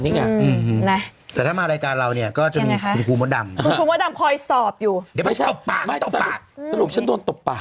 ก็จะมีคุณครูมดำคุณครูมดำคอยสอบอยู่ไม่สรุปฉันโดนตบปาก